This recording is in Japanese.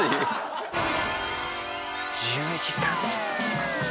１０時間。